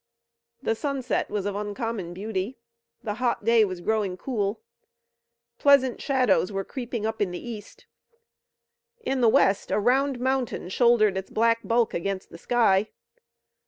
The sunset was of uncommon beauty. The hot day was growing cool. Pleasant shadows were creeping up in the east. In the west a round mountain shouldered its black bulk against the sky.